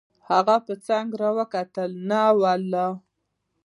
هغه په څنګ را وکتل: نه والله.